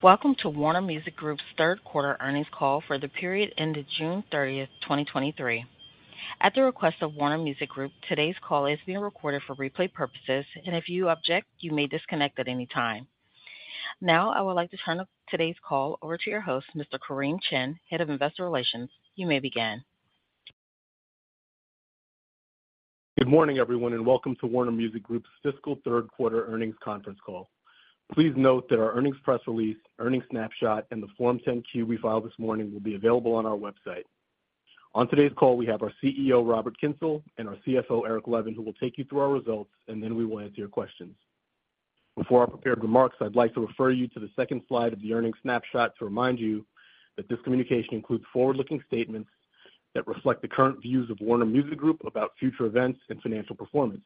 Welcome to Warner Music Group's third quarter earnings call for the period ended June thirtieth, twenty twenty-three. At the request of Warner Music Group, today's call is being recorded for replay purposes, and if you object, you may disconnect at any time. Now, I would like to turn today's call over to your host, Mr. Kareem Chin, Head of Investor Relations. You may begin. Good morning, everyone, welcome to Warner Music Group's fiscal third quarter earnings conference call. Please note that our earnings press release, earnings snapshot, and the Form 10-Q we filed this morning will be available on our website. On today's call, we have our CEO, Robert Kyncl, and our CFO, Eric Levin who will take you through our results, and then we will answer your questions. Before I prepare remarks, I'd like to refer you to the second slide of the earnings snapshot to remind you that this communication includes forward-looking statements that reflect the current views of Warner Music Group about future events and financial performance.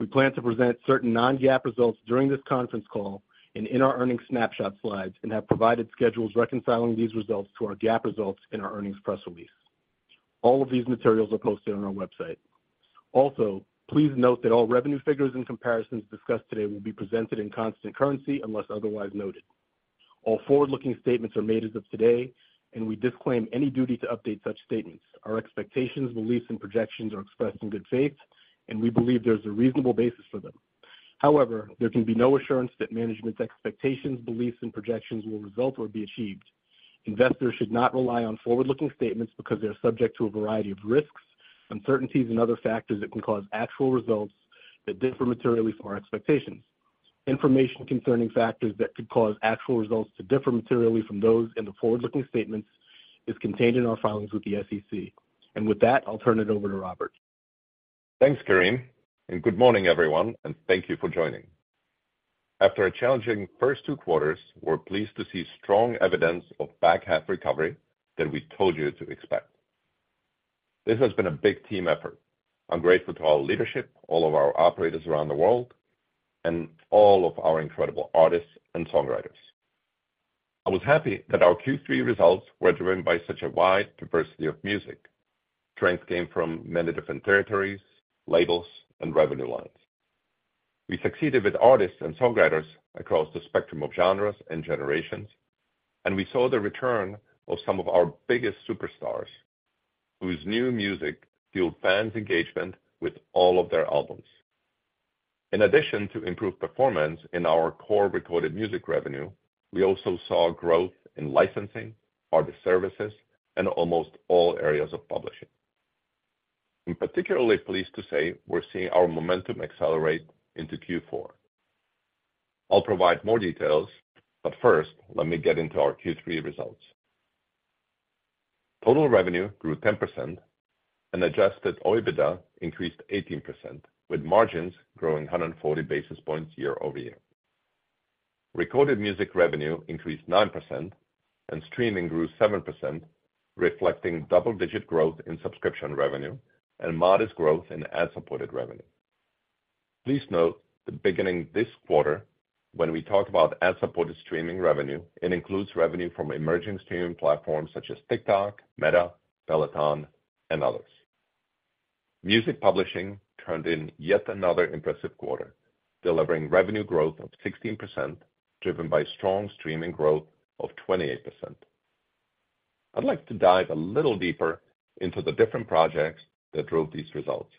We plan to present certain non-GAAP results during this conference call and in our earnings snapshot slides, and have provided schedules reconciling these results to our GAAP results in our earnings press release. All of these materials are posted on our website. Also, please note that all revenue figures and comparisons discussed today will be presented in constant currency, unless otherwise noted. All forward-looking statements are made as of today, and we disclaim any duty to update such statements. Our expectations, beliefs, and projections are expressed in good faith, and we believe there's a reasonable basis for them. However, there can be no assurance that management's expectations, beliefs, and projections will result or be achieved. Investors should not rely on forward-looking statements because they are subject to a variety of risks, uncertainties, and other factors that can cause actual results that differ materially from our expectations. Information concerning factors that could cause actual results to differ materially from those in the forward-looking statements is contained in our filings with the SEC. With that, I'll turn it over to Robert. Thanks, Kareem, good morning, everyone, and thank you for joining. After a challenging first two quarters, we're pleased to see strong evidence of back-half recovery that we told you to expect. This has been a big team effort. I'm grateful to all leadership, all of our operators around the world, and all of our incredible artists and songwriters. I was happy that our Q3 results were driven by such a wide diversity of music. Strength came from many different territories, labels, and revenue lines. We succeeded with artists and songwriters across the spectrum of genres and generations, we saw the return of some of our biggest superstars, whose new music fueled fans' engagement with all of their albums. In addition to improved performance in our core recorded music revenue, we also saw growth in licensing, artist services, and almost all areas of publishing. I'm particularly pleased to say we're seeing our momentum accelerate into Q4. I'll provide more details, but first, let me get into our Q3 results. Total revenue grew 10% and adjusted OIBDA increased 18%, with margins growing 140 basis points year-over-year. Recorded music revenue increased 9% and streaming grew 7%, reflecting double-digit growth in subscription revenue and modest growth in ad-supported revenue. Please note that beginning this quarter, when we talk about ad-supported streaming revenue, it includes revenue from emerging streaming platforms such as TikTok, Meta, Peloton, and others. Music publishing turned in yet another impressive quarter, delivering revenue growth of 16%, driven by strong streaming growth of 28%. I'd like to dive a little deeper into the different projects that drove these results,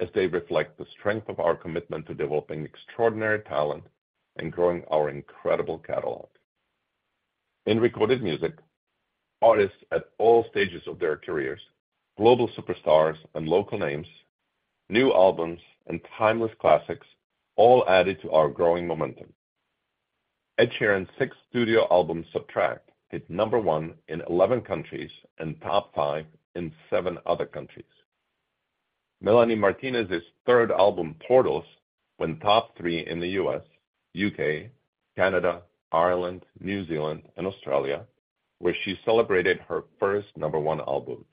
as they reflect the strength of our commitment to developing extraordinary talent and growing our incredible catalog. In recorded music, artists at all stages of their careers, global superstars and local names, new albums and timeless classics, all added to our growing momentum. Ed Sheeran's sixth studio album, Subtract, hit number one in 11 countries and top five in seven other countries. Melanie Martinez's third album, PORTALS, went top three in the US, UK, Canada, Ireland, New Zealand, and Australia, where she celebrated her first number one album.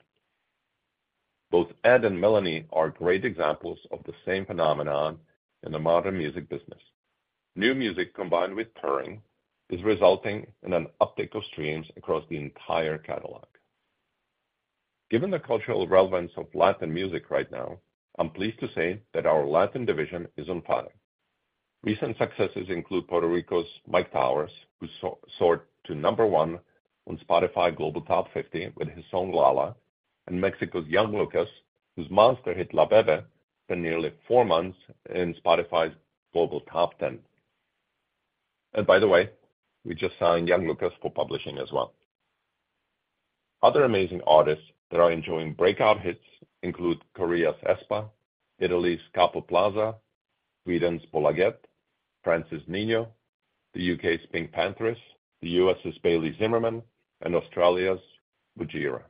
Both Ed and Melanie are great examples of the same phenomenon in the modern music business. New music, combined with touring, is resulting in an uptick of streams across the entire catalog. Given the cultural relevance of Latin music right now, I'm pleased to say that our Latin division is on fire. Recent successes include Puerto Rico's Myke Towers, who so-soared to number one on Spotify Global Top 50 with his song Lala, and Mexico's Yng Lvcas, whose monster hit, La Bebé, spent nearly four months in Spotify's Global Top 10. By the way, we just signed Yng Lvcas for publishing as well. Other amazing artists that are enjoying breakout hits include Korea's aespa, Italy's Capo Plaza, Sweden's Pål Lötberg, France's Ninho, the U.K.'s PinkPantheress, the U.S.'s Bailey Zimmerman, and Australia's Budjerah.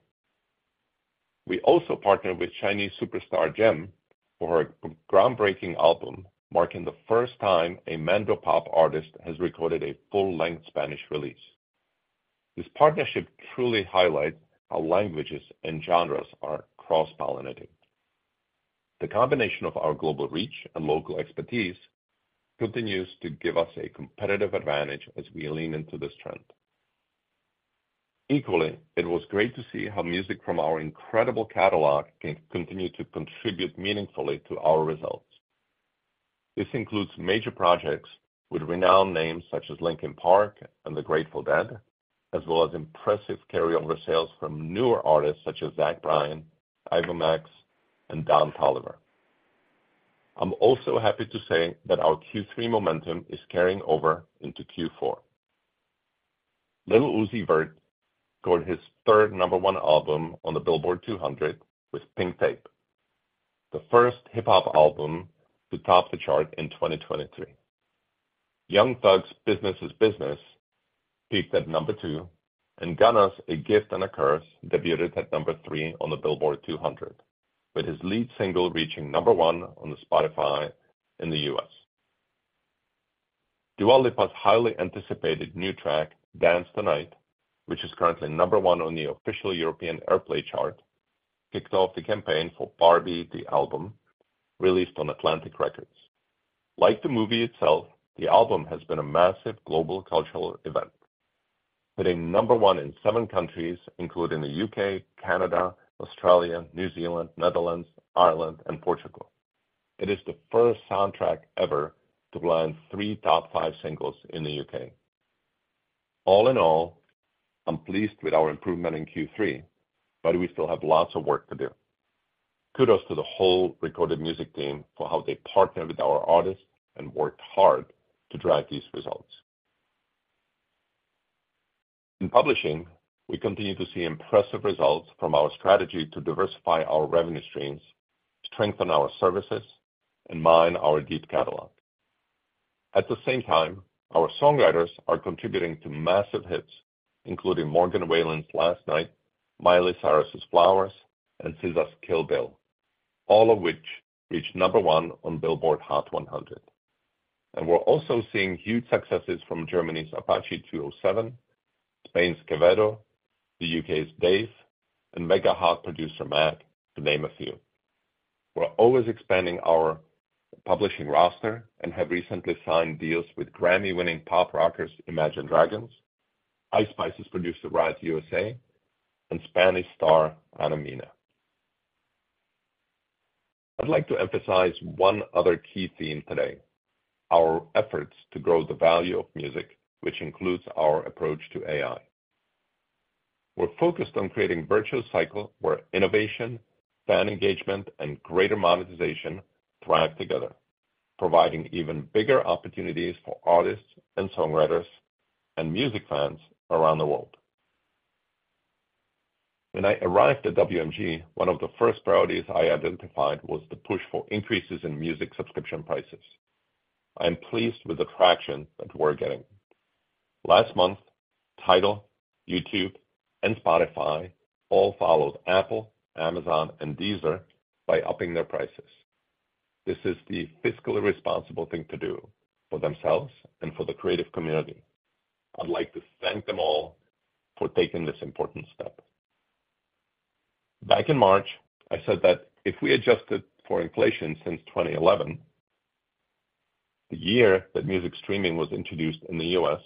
We also partnered with Chinese superstar G.E.M. for her groundbreaking album, marking the first time a Mandopop artist has recorded a full-length Spanish release. This partnership truly highlights how languages and genres are cross-pollinating. The combination of our global reach and local expertise continues to give us a competitive advantage as we lean into this trend. Equally, it was great to see how music from our incredible catalog can continue to contribute meaningfully to our results. This includes major projects with renowned names such as Linkin Park and the Grateful Dead, as well as impressive carryover sales from newer artists such as Zach Bryan, Ava Max, and Don Toliver. I'm also happy to say that our Q3 momentum is carrying over into Q4. Lil Uzi Vert scored his third number one album on the Billboard 200 with Pink Tape, the first hip-hop album to top the chart in 2023. Young Thug's Business Is Business peaked at number 2, and Gunna's A Gift & a Curse debuted at number 3 on the Billboard 200, with his lead single reaching number 1 on the Spotify in the US. Dua Lipa's highly anticipated new track, Dance The Night, which is currently number 1 on the official European Airplay chart, kicks off the campaign for Barbie The Album, released on Atlantic Records. Like the movie itself, the album has been a massive global cultural event, hitting number 1 in 7 countries, including the UK, Canada, Australia, New Zealand, Netherlands, Ireland, and Portugal. It is the first soundtrack ever to land 3 top 5 singles in the UK. All in all, I'm pleased with our improvement in Q3, but we still have lots of work to do. Kudos to the whole recorded music team for how they partnered with our artists and worked hard to drive these results. In publishing, we continue to see impressive results from our strategy to diversify our revenue streams, strengthen our services, and mine our deep catalog. At the same time, our songwriters are contributing to massive hits, including Morgan Wallen's Last Night, Miley Cyrus's Flowers, and SZA's Kill Bill, all of which reached number one on Billboard Hot 100. We're also seeing huge successes from Germany's Apache 207, Spain's Quevedo, the UK's Dave, and Mega Hot producer, Metro Boomin, to name a few. We're always expanding our publishing roster and have recently signed deals with GRAMMY-winning pop rockers, Imagine Dragons, Ice Spice's producer, RIOTUSA, and Spanish star, Ana Mena. I'd like to emphasize one other key theme today, our efforts to grow the value of music, which includes our approach to AI. We're focused on creating virtuous cycle, where innovation, fan engagement, and greater monetization thrive together, providing even bigger opportunities for artists and songwriters and music fans around the world. When I arrived at WMG, one of the first priorities I identified was the push for increases in music subscription prices. I am pleased with the traction that we're getting. Last month, TIDAL, YouTube, and Spotify all followed Apple, Amazon, and Deezer by upping their prices. This is the fiscally responsible thing to do for themselves and for the creative community. I'd like to thank them all for taking this important step. Back in March, I said that if we adjusted for inflation since 2011, the year that music streaming was introduced in the US,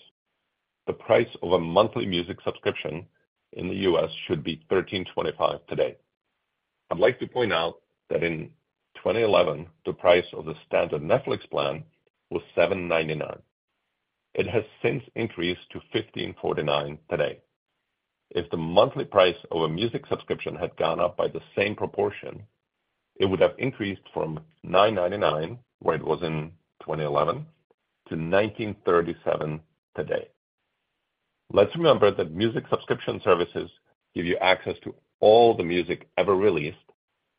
the price of a monthly music subscription in the US should be $13.25 today. I'd like to point out that in 2011, the price of the standard Netflix plan was $7.99. It has since increased to $15.49 today. If the monthly price of a music subscription had gone up by the same proportion, it would have increased from $9.99, where it was in 2011, to $19.37 today. Let's remember that music subscription services give you access to all the music ever released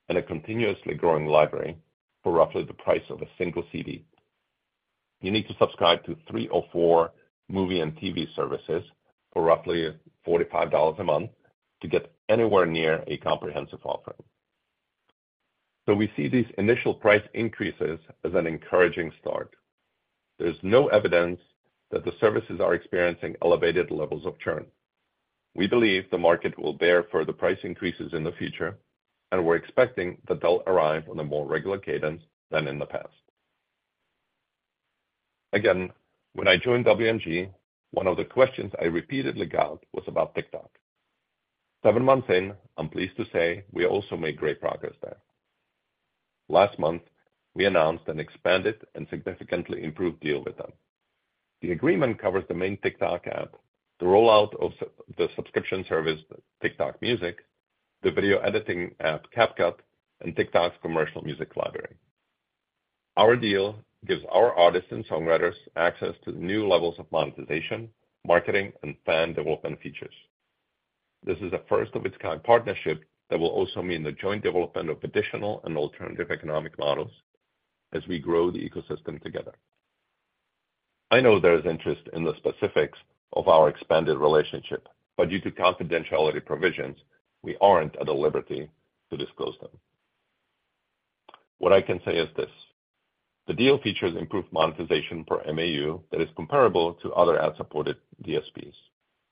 in a continuously growing library for roughly the price of a single CD. You need to subscribe to 3 or 4 movie and TV services for roughly $45 a month to get anywhere near a comprehensive offering. We see these initial price increases as an encouraging start. There's no evidence that the services are experiencing elevated levels of churn. We believe the market will bear further price increases in the future, and we're expecting that they'll arrive on a more regular cadence than in the past. Again, when I joined WMG, one of the questions I repeatedly got was about TikTok. 7 months in, I'm pleased to say we also made great progress there. Last month, we announced an expanded and significantly improved deal with them. The agreement covers the main TikTok app, the rollout of the subscription service, TikTok Music, the video editing app, CapCut, and TikTok's commercial music library. Our deal gives our artists and songwriters access to new levels of monetization, marketing, and fan development features. This is a first-of-its-kind partnership that will also mean the joint development of additional and alternative economic models as we grow the ecosystem together. I know there is interest in the specifics of our expanded relationship, due to confidentiality provisions, we aren't at a liberty to disclose them. What I can say is this: the deal features improved monetization per MAU that is comparable to other ad-supported DSPs,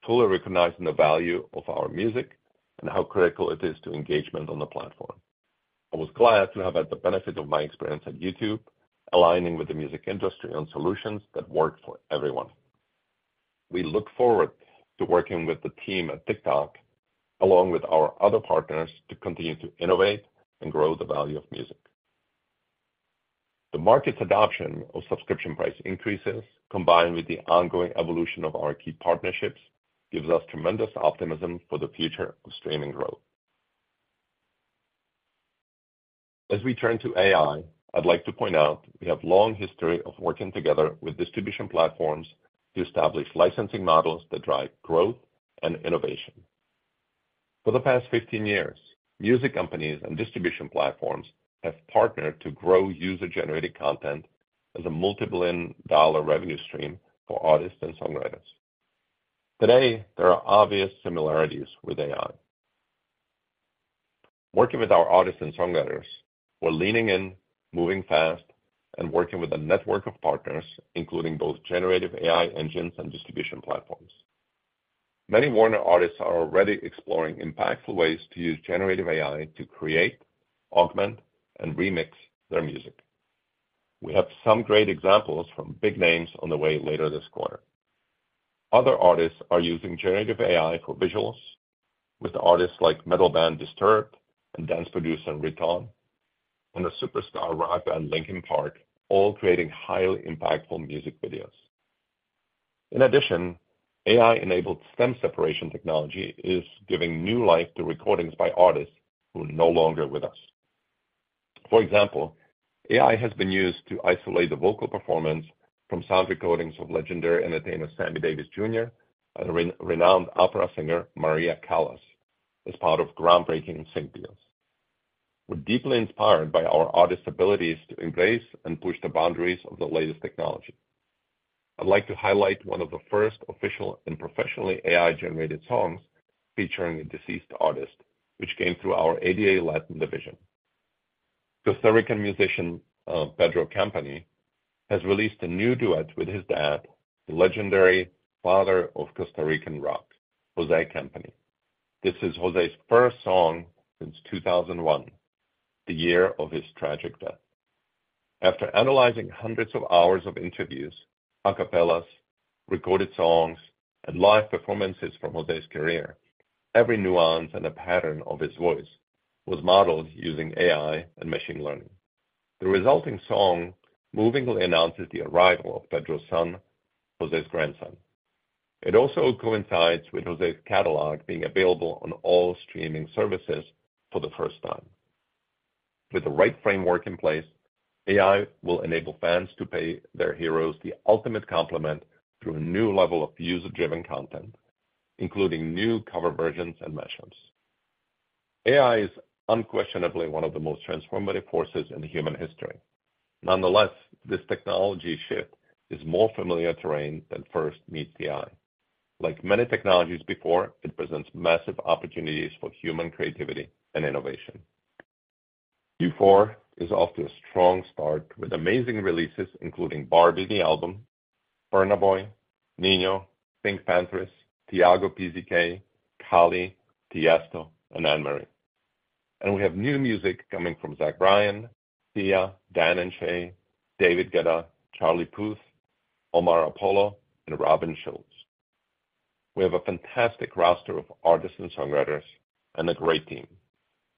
fully recognizing the value of our music and how critical it is to engagement on the platform. I was glad to have had the benefit of my experience at YouTube, aligning with the music industry on solutions that work for everyone. We look forward to working with the team at TikTok, along with our other partners, to continue to innovate and grow the value of music. The market's adoption of subscription price increases, combined with the ongoing evolution of our key partnerships, gives us tremendous optimism for the future of streaming growth. As we turn to AI, I'd like to point out we have long history of working together with distribution platforms to establish licensing models that drive growth and innovation. For the past 15 years, music companies and distribution platforms have partnered to grow user-generated content as a multibillion-dollar revenue stream for artists and songwriters. Today, there are obvious similarities with AI. Working with our artists and songwriters, we're leaning in, moving fast, and working with a network of partners, including both generative AI engines and distribution platforms. Many Warner artists are already exploring impactful ways to use generative AI to create, augment, and remix their music. We have some great examples from big names on the way later this quarter. Other artists are using generative AI for visuals, with artists like metal band Disturbed and dance producer, R3HAB, and the superstar rock band, Linkin Park, all creating highly impactful music videos. In addition, AI-enabled stem separation technology is giving new life to recordings by artists who are no longer with us. For example, AI has been used to isolate the vocal performance from sound recordings of legendary entertainer, Sammy Davis Jr., and renowned opera singer, Maria Callas, as part of groundbreaking sync deals. We're deeply inspired by our artists' abilities to embrace and push the boundaries of the latest technology. I'd like to highlight one of the first official and professionally AI-generated songs featuring a deceased artist, which came through our ADA Latin division. Costa Rican musician, Pedro Capmany, has released a new duet with his dad, the legendary father of Costa Rican rock, José Capmany. This is José's first song since 2001, the year of his tragic death. After analyzing hundreds of hours of interviews, a cappellas, recorded songs, and live performances from José's career, every nuance and a pattern of his voice was modeled using AI and machine learning. The resulting song movingly announces the arrival of Pedro's son, José's grandson. It also coincides with José's catalog being available on all streaming services for the first time. With the right framework in place, AI will enable fans to pay their heroes the ultimate compliment through a new level of user-driven content, including new cover versions and mashups. AI is unquestionably one of the most transformative forces in human history. Nonetheless, this technology shift is more familiar terrain than first meets the eye. Like many technologies before, it presents massive opportunities for human creativity and innovation. Q4 is off to a strong start with amazing releases, including Barbie The Album, Burna Boy, Ninho, PinkPantheress, Tiago PZK, Kali, Tiësto, and Anne-Marie. We have new music coming from Zach Bryan, Sia, Dan + Shay, David Guetta, Charlie Puth, Omar Apollo, and Robin Schulz. We have a fantastic roster of artists and songwriters and a great team.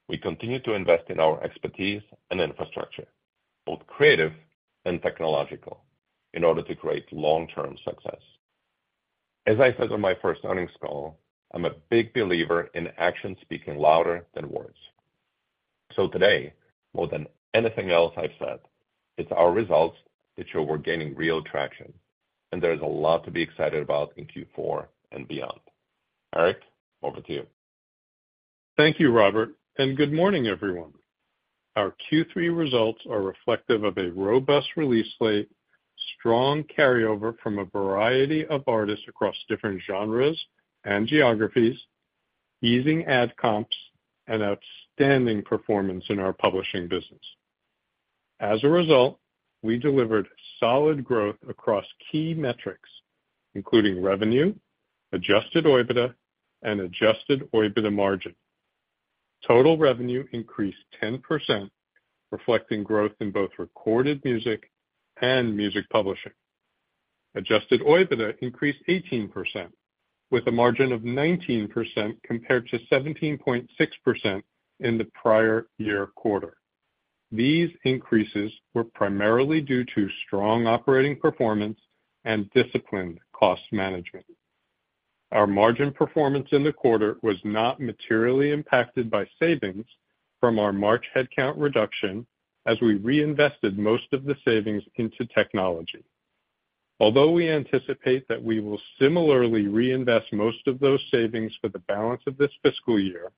We continue to invest in our expertise and infrastructure, both creative and technological, in order to create long-term success. As I said on my first earnings call, I'm a big believer in action speaking louder than words. Today, more than anything else I've said, it's our results that show we're gaining real traction, and there is a lot to be excited about in Q4 and beyond. Eric, over to you. Thank you, Robert. Good morning, everyone. Our Q3 results are reflective of a robust release slate, strong carryover from a variety of artists across different genres and geographies, easing ad comps, and outstanding performance in our publishing business. As a result, we delivered solid growth across key metrics, including revenue, Adjusted OIBDA, and Adjusted OIBDA margin. Total revenue increased 10%, reflecting growth in both recorded music and music publishing. Adjusted OIBDA increased 18%, with a margin of 19%, compared to 17.6% in the prior year quarter. These increases were primarily due to strong operating performance and disciplined cost management. Our margin performance in the quarter was not materially impacted by savings from our March headcount reduction, as we reinvested most of the savings into technology. Although we anticipate that we will similarly reinvest most of those savings for the balance of this fiscal year,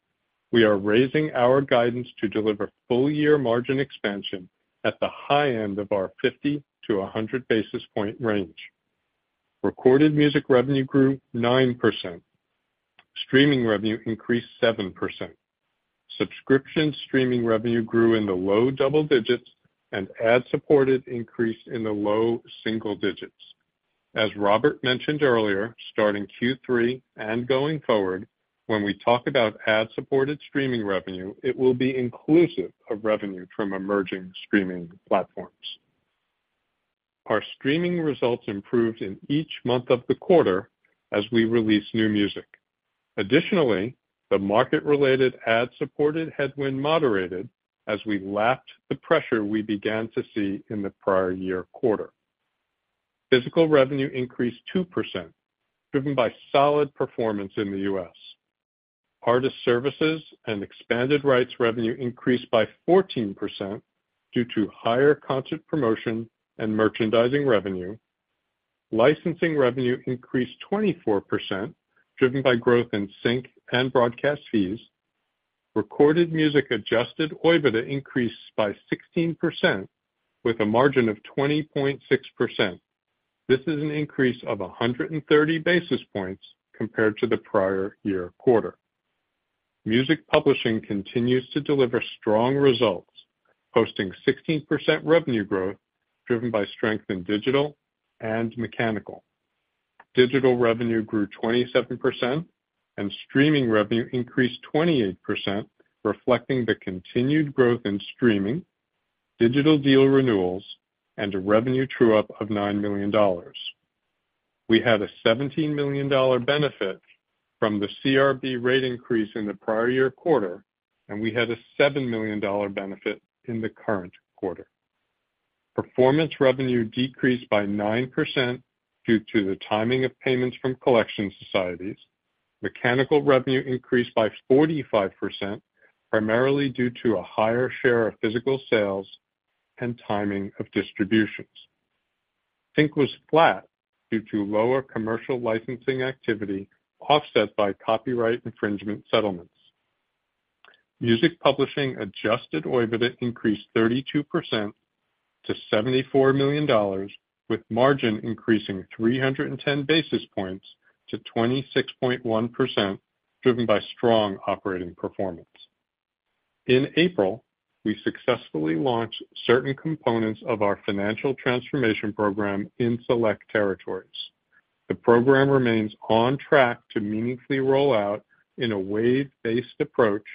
we are raising our guidance to deliver full-year margin expansion at the high end of our 50 to 100 basis point range. Recorded music revenue grew 9%. Streaming revenue increased 7%. Subscription streaming revenue grew in the low double digits, and ad-supported increased in the low single digits. As Robert mentioned earlier, starting Q3 and going forward, when we talk about ad-supported streaming revenue, it will be inclusive of revenue from emerging streaming platforms. Our streaming results improved in each month of the quarter as we released new music. Additionally, the market-related ad-supported headwind moderated as we lapped the pressure we began to see in the prior year quarter. Physical revenue increased 2%, driven by solid performance in the U.S. Artist services and expanded rights revenue increased by 14% due to higher concert promotion and merchandising revenue. Licensing revenue increased 24%, driven by growth in sync and broadcast fees. Recorded music Adjusted OIBDA increased by 16%, with a margin of 20.6%. This is an increase of 130 basis points compared to the prior year quarter. Music publishing continues to deliver strong results, posting 16% revenue growth, driven by strength in digital and mechanical. Digital revenue grew 27%, and streaming revenue increased 28%, reflecting the continued growth in streaming, digital deal renewals, and a revenue true-up of $9 million. We had a $17 million benefit from the CRB rate increase in the prior year quarter, and we had a $7 million benefit in the current quarter. Performance revenue decreased by 9% due to the timing of payments from collection societies. Mechanical revenue increased by 45%, primarily due to a higher share of physical sales and timing of distributions. Sync was flat due to lower commercial licensing activity, offset by copyright infringement settlements. Music publishing Adjusted OIBDA increased 32% to $74 million, with margin increasing 310 basis points to 26.1%, driven by strong operating performance. In April, we successfully launched certain components of our financial transformation program in select territories. The program remains on track to meaningfully roll out in a wave-based approach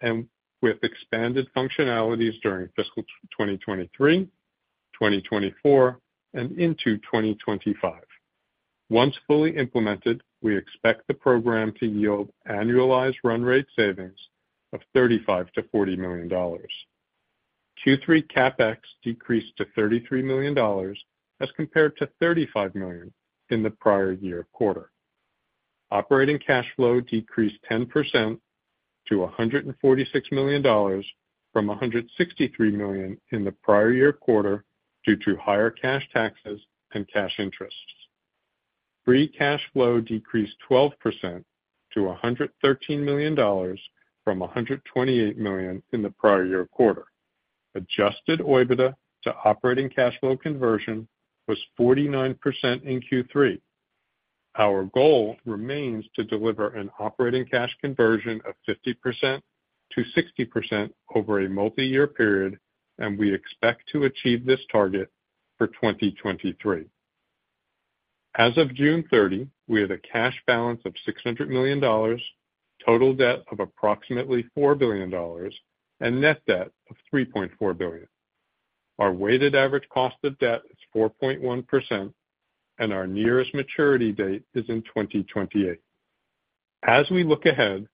and with expanded functionalities during fiscal 2023, 2024, and into 2025. Once fully implemented, we expect the program to yield annualized run rate savings of $35 million-$40 million. Q3 CapEx decreased to $33 million, as compared to $35 million in the prior year quarter. Operating cash flow decreased 10% to $146 million from $163 million in the prior year quarter due to higher cash taxes and cash interests. Free cash flow decreased 12% to $113 million from $128 million in the prior year quarter. Adjusted OIBDA to operating cash flow conversion was 49% in Q3. Our goal remains to deliver an operating cash conversion of 50%-60% over a multi-year period, and we expect to achieve this target for 2023. As of June 30, we had a cash balance of $600 million, total debt of approximately $4 billion, and net debt of $3.4 billion. Our weighted average cost of debt is 4.1%. Our nearest maturity date is in 2028. As we look ahead,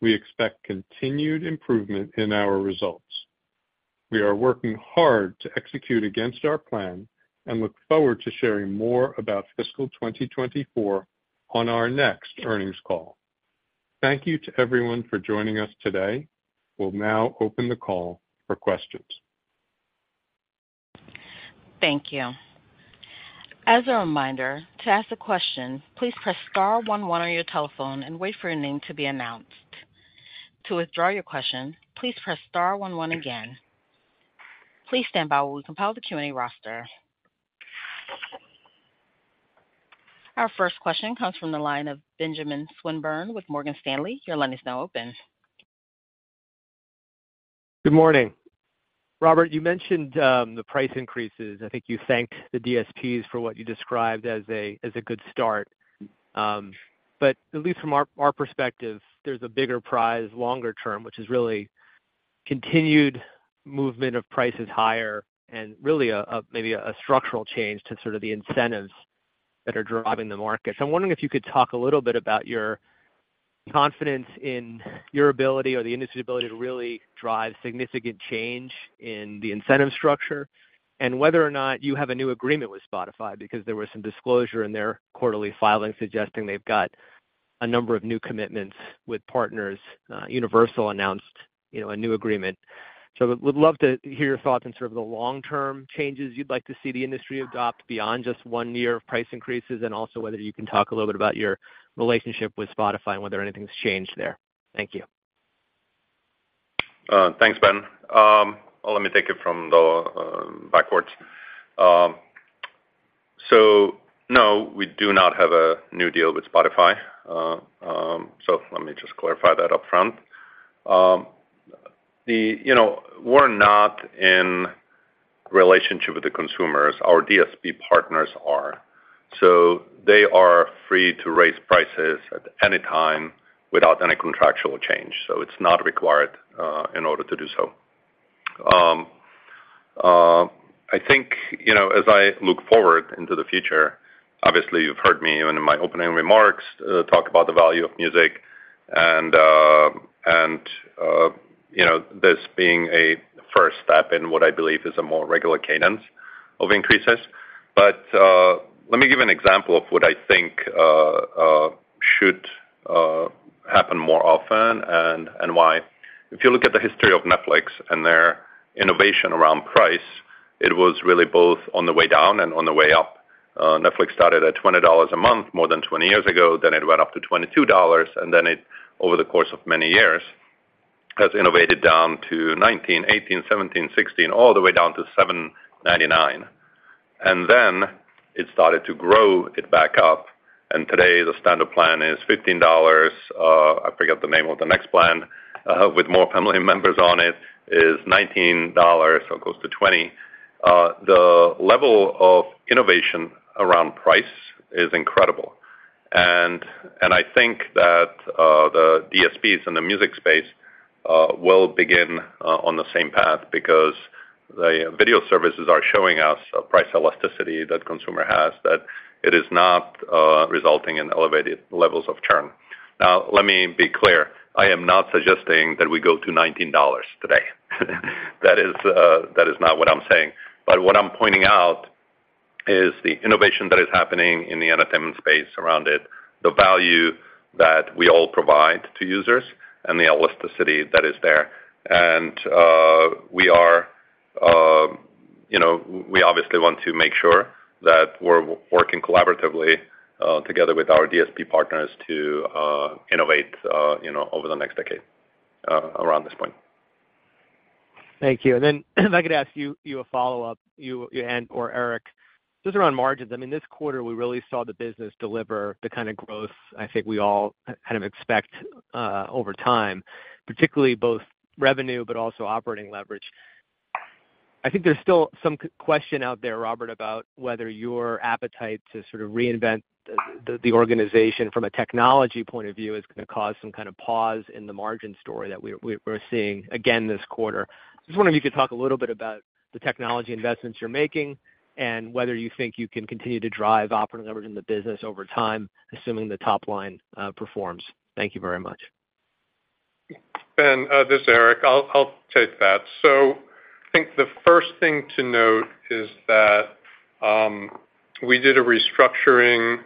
we expect continued improvement in our results. We are working hard to execute against our plan and look forward to sharing more about fiscal 2024 on our next earnings call. Thank you to everyone for joining us today. We'll now open the call for questions. Thank you. As a reminder, to ask a question, please press star one one on your telephone and wait for your name to be announced. To withdraw your question, please press star one one again. Please stand by while we compile the Q&A roster. Our first question comes from the line of Benjamin Swinburne with Morgan Stanley. Your line is now open. Good morning. Robert, you mentioned the price increases. I think you thanked the DSPs for what you described as a good start. At least from our, our perspective, there's a bigger prize longer term, which is really continued movement of prices higher and really a, maybe a structural change to sort of the incentives that are driving the market. I'm wondering if you could talk a little bit about your confidence in your ability or the industry's ability to really drive significant change in the incentive structure, and whether or not you have a new agreement with Spotify, because there was some disclosure in their quarterly filing suggesting they've got a number of new commitments with partners. Universal announced, you know, a new agreement. Would love to hear your thoughts on sort of the long-term changes you'd like to see the industry adopt beyond just one year of price increases, and also whether you can talk a little bit about your relationship with Spotify and whether anything's changed there. Thank you. Thanks, Ben. Let me take it from the backwards. So no, we do not have a new deal with Spotify. So let me just clarify that upfront.... The, you know, we're not in relationship with the consumers, our DSP partners are. They are free to raise prices at any time without any contractual change, so it's not required in order to do so. I think, you know, as I look forward into the future, obviously, you've heard me, even in my opening remarks, talk about the value of music and, and, you know, this being a first step in what I believe is a more regular cadence of increases. Let me give an example of what I think should happen more often and, and why. If you look at the history of Netflix and their innovation around price, it was really both on the way down and on the way up. Netflix started at $20 a month, more than 20 years ago, then it went up to $22, and then it, over the course of many years, has innovated down to 19, 18, 17, 16, all the way down to $7.99. Then it started to grow it back up, and today the standard plan is $15. I forget the name of the next plan, with more family members on it, is $19, so it goes to $20. The level of innovation around price is incredible, and I think that the DSPs in the music space will begin on the same path because the video services are showing us a price elasticity that consumer has, that it is not resulting in elevated levels of churn. Let me be clear, I am not suggesting that we go to $19 today. That is not what I'm saying. What I'm pointing out is the innovation that is happening in the entertainment space around it, the value that we all provide to users, and the elasticity that is there. We are, you know, we obviously want to make sure that we're working collaboratively together with our DSP partners to innovate, you know, over the next decade around this point. Thank you. Then if I could ask you, you a follow-up, you, and/or Eric, just around margins. I mean, this quarter, we really saw the business deliver the kind of growth I think we all kind of expect over time, particularly both revenue but also operating leverage. I think there's still some question out there, Robert, about whether your appetite to sort of reinvent the, the, the organization from a technology point of view is gonna cause some kind of pause in the margin story that we're, we're, we're seeing again this quarter. Just wondering if you could talk a little bit about the technology investments you're making and whether you think you can continue to drive operating leverage in the business over time, assuming the top line performs. Thank you very much. Ben, this is Eric. I'll take that. I think the first thing to note is that we did a restructuring,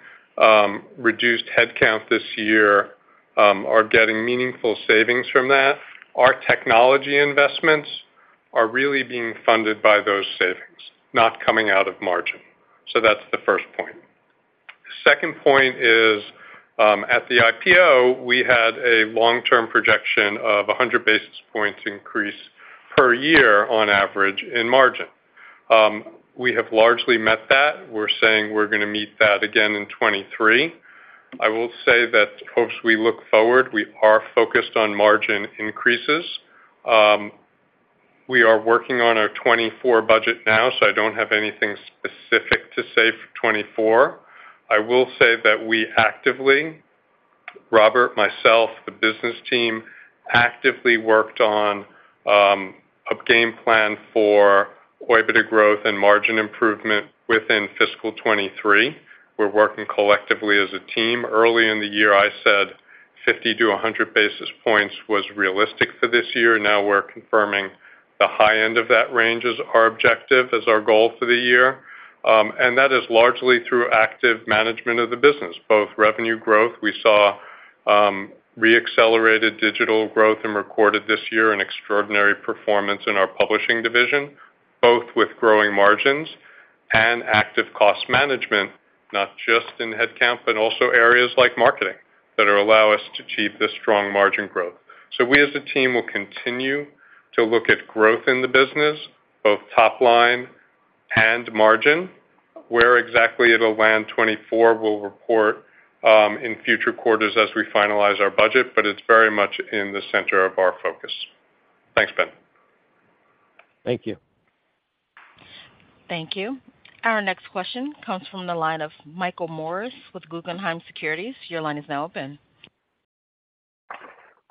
reduced headcount this year, are getting meaningful savings from that. Our technology investments are really being funded by those savings, not coming out of margin. That's the first point. Second point is, at the IPO, we had a long-term projection of 100 basis points increase per year on average in margin. We have largely met that. We're saying we're gonna meet that again in 2023. I will say that as we look forward, we are focused on margin increases. We are working on our 2024 budget now, so I don't have anything specific to say for 2024. I will say that we actively, Robert, myself, the business team, actively worked on a game plan for OIBDA growth and margin improvement within fiscal 23. We're working collectively as a team. Early in the year, I said 50 to 100 basis points was realistic for this year. Now we're confirming the high end of that range as our objective, as our goal for the year. That is largely through active management of the business, both revenue growth. We saw re-accelerated digital growth and recorded this year an extraordinary performance in our publishing division, both with growing margins and active cost management, not just in headcount, but also areas like marketing, that allow us to achieve this strong margin growth. We, as a team, will continue to look at growth in the business, both top line and margin. Where exactly it'll land, 2024, we'll report, in future quarters as we finalize our budget, but it's very much in the center of our focus. Thanks, Ben. Thank you. Thank you. Our next question comes from the line of Michael Morris with Guggenheim Securities. Your line is now open.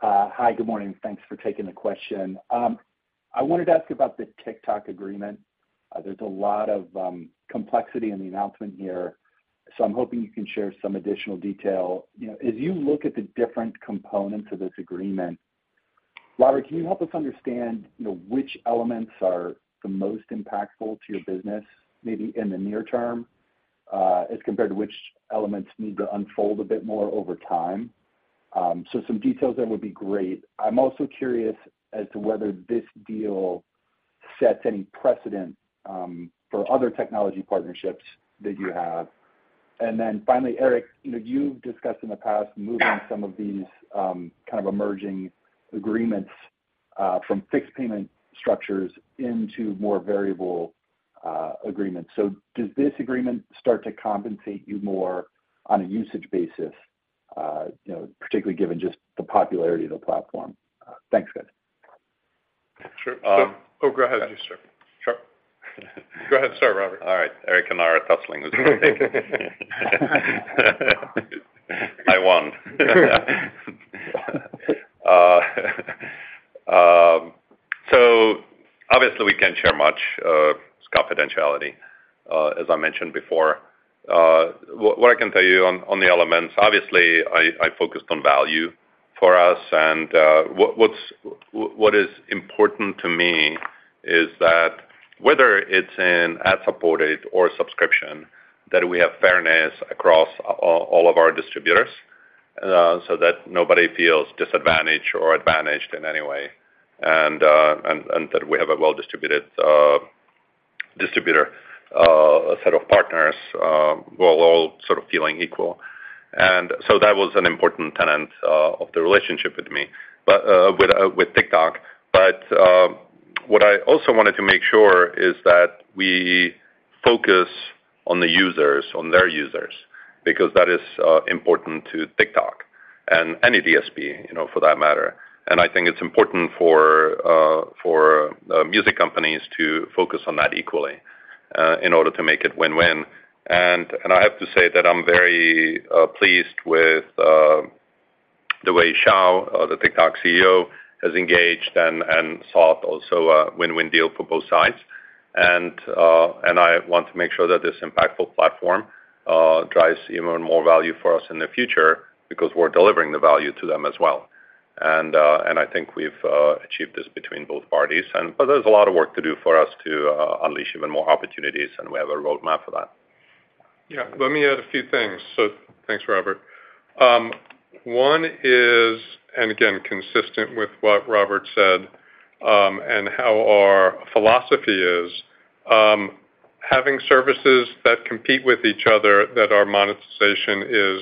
Hi, good morning. Thanks for taking the question. I wanted to ask about the TikTok agreement. There's a lot of complexity in the announcement here, so I'm hoping you can share some additional detail. You know, as you look at the different components of this agreement, Robert, can you help us understand, you know, which elements are the most impactful to your business, maybe in the near term, as compared to which elements need to unfold a bit more over time? Some details there would be great. I'm also curious as to whether this deal sets any precedent for other technology partnerships that you have. Finally, Eric, you know, you've discussed in the past moving some of these kind of emerging agreements from fixed payment structures into more variable agreements. Does this agreement start to compensate you more on a usage basis? You know, particularly given just the popularity of the platform. Thanks, guys. Sure. Oh, go ahead, you, sir. Sure. Go ahead, sorry, Robert. All right, Eric and I are tussling. I won. Obviously, we can't share much, it's confidentiality, as I mentioned before. What, what I can tell you on, on the elements, obviously, I, I focused on value for us, and, what is important to me is that whether it's in ad-supported or subscription, that we have fairness across all of our distributors, so that nobody feels disadvantaged or advantaged in any way, and, and, and that we have a well-distributed, distributor, set of partners, we're all sort of feeling equal. That was an important tenet of the relationship with me, but, with, with TikTok. What I also wanted to make sure is that we focus on the users, on their users, because that is important to TikTok and any DSP, you know, for that matter. I think it's important for, for, music companies to focus on that equally, in order to make it win-win. I have to say that I'm very pleased with the way Shou, the TikTok CEO, has engaged and, and sought also a win-win deal for both sides. I want to make sure that this impactful platform drives even more value for us in the future because we're delivering the value to them as well. I think we've achieved this between both parties. But there's a lot of work to do for us to unleash even more opportunities, and we have a roadmap for that. Yeah, let me add a few things. Thanks, Robert. One is, and again, consistent with what Robert said, and how our philosophy is, having services that compete with each other that our monetization is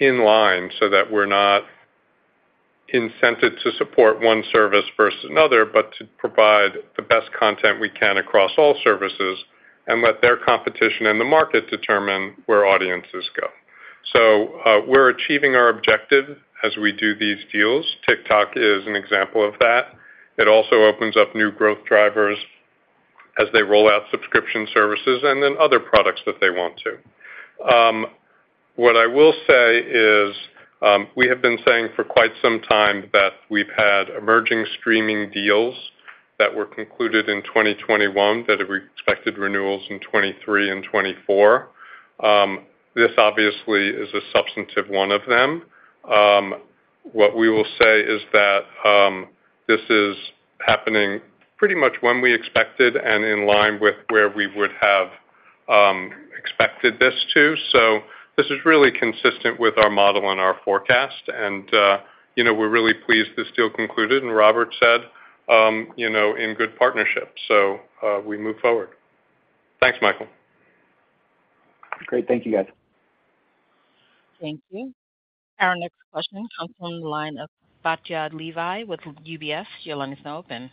in line so that we're not incented to support one service versus another, but to provide the best content we can across all services and let their competition in the market determine where audiences go. We're achieving our objective as we do these deals. TikTok is an example of that. It also opens up new growth drivers as they roll out subscription services and then other products that they want to. What I will say is, we have been saying for quite some time that we've had emerging streaming deals that were concluded in 2021, that we expected renewals in 2023 and 2024. This obviously is a substantive one of them. What we will say is that this is happening pretty much when we expected and in line with where we would have expected this to. This is really consistent with our model and our forecast, and, you know, we're really pleased this deal concluded, and Robert said, you know, in good partnership, so, we move forward. Thanks, Michael. Great. Thank you, guys. Thank you. Our next question comes from the line of Batya Levi with UBS. Your line is now open.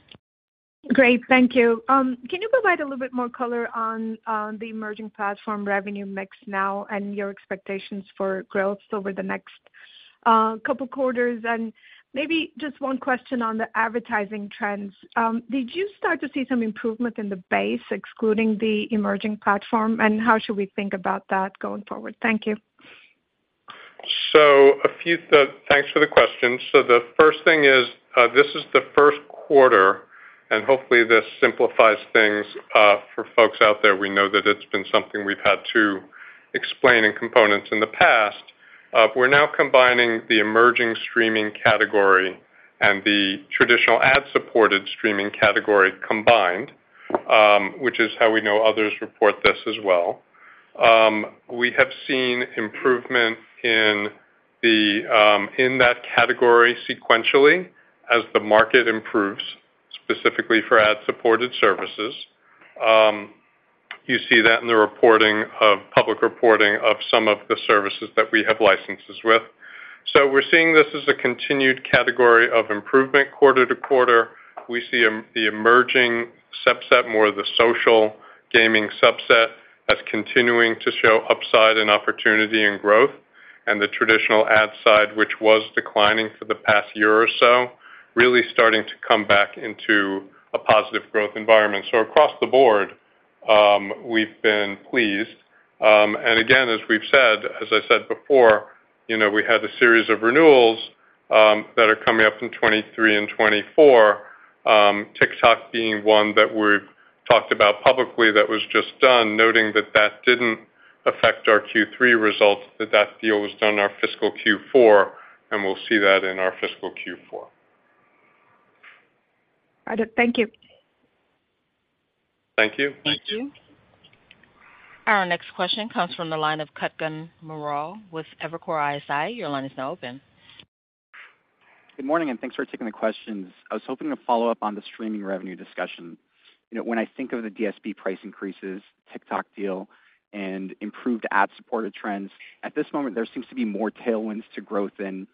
Great, thank you. Can you provide a little bit more color on, on the emerging platform revenue mix now and your expectations for growth over the next couple quarters? Maybe just one question on the advertising trends. Did you start to see some improvement in the base, excluding the emerging platform, and how should we think about that going forward? Thank you. A few... Thanks for the question. The first thing is, this is the first quarter, and hopefully, this simplifies things for folks out there. We know that it's been something we've had to explain in components in the past. We're now combining the emerging streaming category and the traditional ad-supported streaming category combined, which is how we know others report this as well. We have seen improvement in the in that category sequentially, as the market improves, specifically for ad-supported services. You see that in the reporting of public reporting of some of the services that we have licenses with. We're seeing this as a continued category of improvement quarter-to-quarter. We see the emerging subset, more of the social gaming subset, as continuing to show upside and opportunity and growth, and the traditional ad side, which was declining for the past year or so, really starting to come back into a positive growth environment. Across the board, we've been pleased. And again, as we've said, as I said before, you know, we had a series of renewals that are coming up in 2023 and 2024, TikTok being one that we've talked about publicly that was just done, noting that that didn't affect our Q3 results, that that deal was done in our fiscal Q4, and we'll see that in our fiscal Q4. Got it. Thank you. Thank you. Thank you. Thank you. Our next question comes from the line of Kutgun Maral with Evercore ISI. Your line is now open. Good morning, thanks for taking the questions. I was hoping to follow up on the streaming revenue discussion. You know, when I think of the DSP price increases, TikTok deal, and improved ad-supported trends, at this moment, there seems to be more tailwinds to growth. You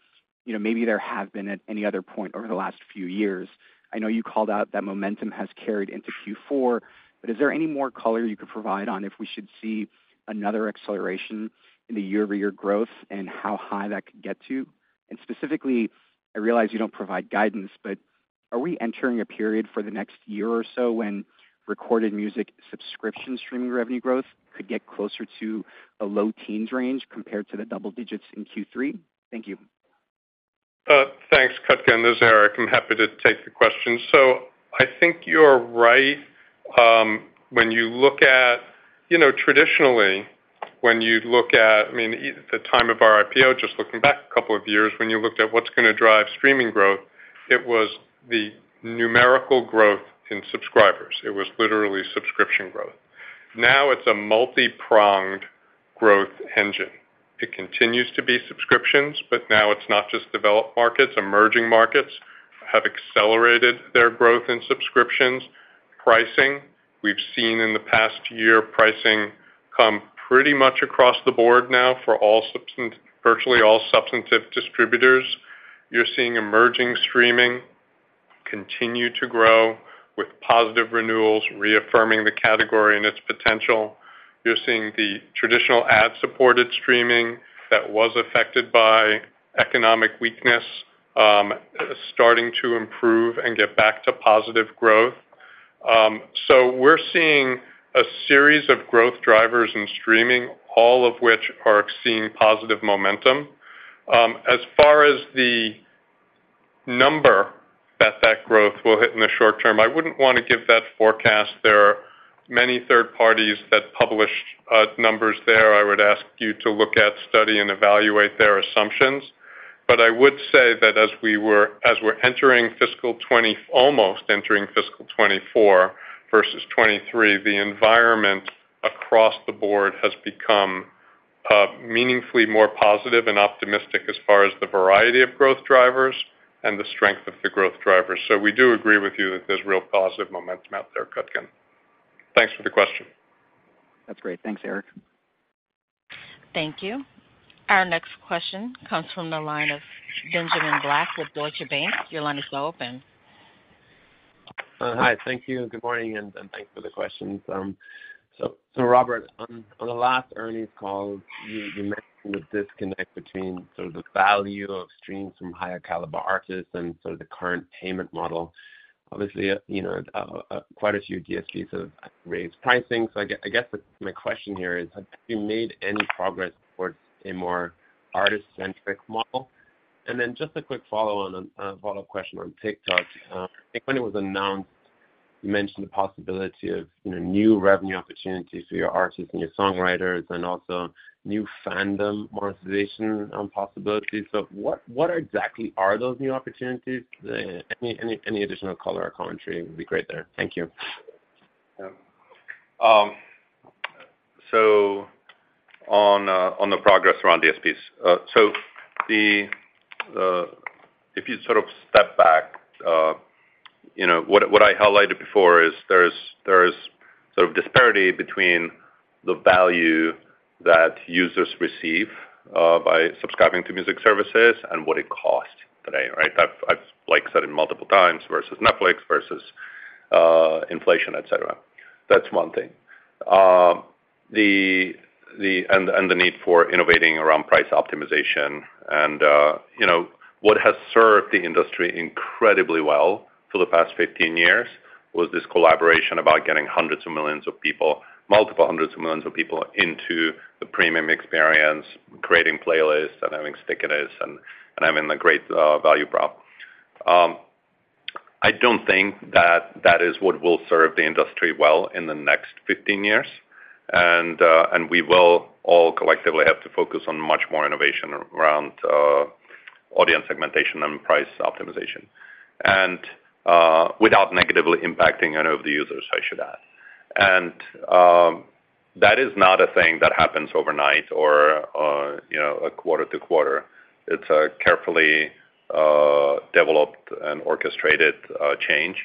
know, maybe there have been at any other point over the last few years. I know you called out that momentum has carried into Q4, but is there any more color you could provide on if we should see another acceleration in the year-over-year growth and how high that could get to? Specifically, I realize you don't provide guidance, but are we entering a period for the next year or so when recorded music subscription streaming revenue growth could get closer to a low teens range compared to the double digits in Q3? Thank you. Thanks, Kutgun. This is Eric. I'm happy to take the question. I think you're right. When you look at, you know, traditionally, when you'd look at, I mean, the time of our IPO, just looking back a couple of years, when you looked at what's going to drive streaming growth, it was the numerical growth in subscribers. It was literally subscription growth. Now it's a multipronged growth engine. It continues to be subscriptions, but now it's not just developed markets. Emerging markets have accelerated their growth in subscriptions. Pricing, we've seen in the past year, pricing come pretty much across the board now for all virtually all substantive distributors. You're seeing emerging streaming continue to grow, with positive renewals reaffirming the category and its potential. You're seeing the traditional ad-supported streaming that was affected by economic weakness, starting to improve and get back to positive growth. We're seeing a series of growth drivers in streaming, all of which are seeing positive momentum. As far as the number that that growth will hit in the short term, I wouldn't want to give that forecast. There are many third parties that published numbers there. I would ask you to look at, study, and evaluate their assumptions. I would say that as we're entering fiscal almost entering fiscal 2024 versus 2023, the environment across the board has become meaningfully more positive and optimistic as far as the variety of growth drivers and the strength of the growth drivers. We do agree with you that there's real positive momentum out there, Kutgun. Thanks for the question. That's great. Thanks, Eric. Thank you. Our next question comes from the line of Benjamin Black with Deutsche Bank. Your line is now open. Hi. Thank you. Good morning, and thanks for the questions. Robert, on the last earnings call, you mentioned the disconnect between sort of the value of streams from higher caliber artists and sort of the current payment model. Obviously, you know, quite a few DSPs have raised pricing. I guess my question here is, have you made any progress towards a more artist-centric model? Then just a quick follow-on, follow-up question on TikTok. I think when it was announced, you mentioned the possibility of, you know, new revenue opportunities for your artists and your songwriters, and also new fandom monetization on possibilities. What, what exactly are those new opportunities? Any, any, any additional color or commentary would be great there. Thank you. On the progress around DSPs. If you sort of step back, you know, what, what I highlighted before is there's, there's sort of disparity between the value that users receive by subscribing to music services and what it costs today, right? I've, I've, like, said it multiple times, versus Netflix, versus inflation, et cetera. That's one thing. And, and the need for innovating around price optimization and, you know, what has served the industry incredibly well for the past 15 years was this collaboration about getting hundreds of millions of people, multiple hundreds of millions of people into the premium experience, creating playlists and having stickiness, and, and having a great value prop. I don't think that that is what will serve the industry well in the next 15 years. We will all collectively have to focus on much more innovation around audience segmentation and price optimization, without negatively impacting any of the users, I should add. That is not a thing that happens overnight or, you know, a quarter-to-quarter. It's a carefully developed and orchestrated change